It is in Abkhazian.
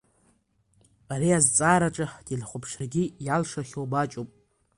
Ари азҵаараҿы ҳтелехәаԥшрагьы иалшахьоу маҷуп.